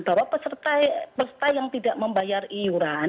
bahwa peserta yang tidak membayar iuran